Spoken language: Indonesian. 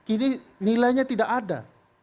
ini nilainya tidak ada